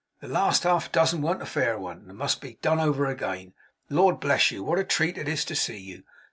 The last half dozen warn't a fair one, and must be done over again. Lord bless you, what a treat it is to see you!